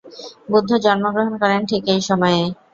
বুদ্ধ জন্মগ্রহণ করেন ঠিক এই সময়েই।